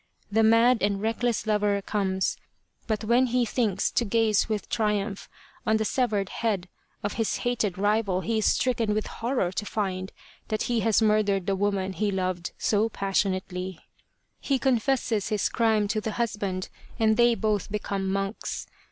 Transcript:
The mad and reckless lover comes, but when he thinks to gaze with triumph on the severed head of his hated rival he is stricken with horror to find that he has murdered the woman he loved so passionately. 63 The Tragedy of Kesa Gozen He confesses his crime to the husband and they both become monks.